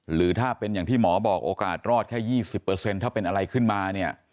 หรือถ้าเป็นอย่างที่หมอบอกโอกาสรอดแค่๒๐ถ้าเป็นอะไรขึ้นมาเนี่ย